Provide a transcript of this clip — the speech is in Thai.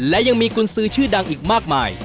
และยังมีกุญสือชื่อดังอีกมากมาย